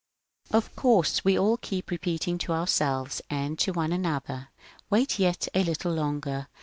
Of course, we all keep repeating to ourselves and to one another :^^ Wait yet a little longer.